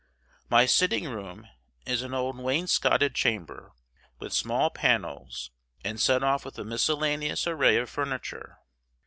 My sitting room is an old wainscoted chamber, with small panels and set off with a miscellaneous array of furniture.